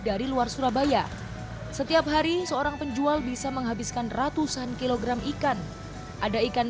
dari luar surabaya setiap hari seorang penjual bisa menghabiskan ratusan kilogram ikan ada ikan